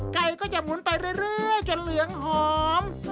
ไก่ก็จะหมุนไปเรื่อยจนเหลืองหอม